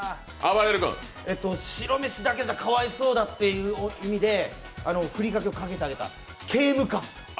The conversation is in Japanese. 白飯だけじゃかわいそうだという意味でふりかけをかけたあげた刑務官！